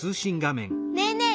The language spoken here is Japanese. ねえねえ